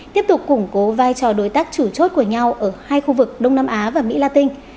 tiếp tục củng cố vai trò đối tác chủ chốt của nhau ở hai khu vực đông nam á và mỹ la tinh